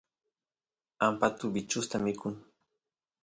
ampatu bichusta mikun